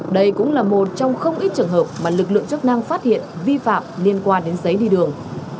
đây cũng là một trong không ít trường hợp mà lực lượng chức năng phát hiện vi phạm liên quan đến giấy đi đường